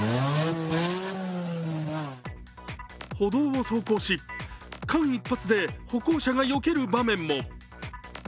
歩道を走行し、間一髪で歩行者がよける場面も。